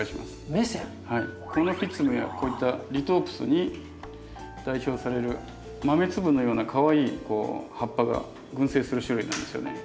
はいコノフィツムやこういったリトープスに代表される豆粒のようなかわいい葉っぱが群生する種類なんですよね。